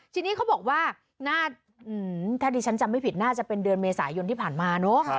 ทีนี้เขาบอกว่าถ้าดิฉันจำไม่ผิดน่าจะเป็นเดือนเมษายนที่ผ่านมาเนอะ